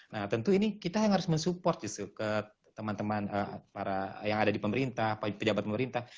nah tentu ini kita yang harus mensupport gitu ke teman teman para yang ada di pemerintah pejabat pemerintah